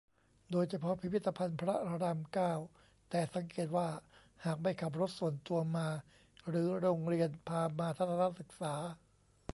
โดยเฉพาะพิพิธภัณฑ์พระราม เก้า แต่สังเกตว่าหากไม่ขับรถส่วนตัวมา หรือ โรงเรียนพามาทัศนศึกษา